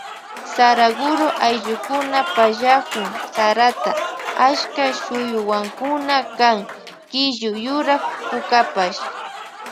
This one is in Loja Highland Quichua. Saraguro ayllukuna pallakun sarata achka shuyuwankuna kan killu yurak pukapash.